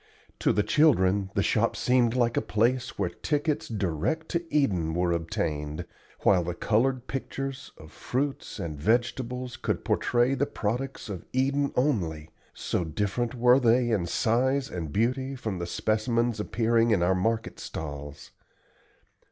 To the children the shop seemed like a place where tickets direct to Eden were obtained, while the colored pictures of fruits and vegetables could portray the products of Eden only, so different were they in size and beauty from the specimens appearing in our market stalls.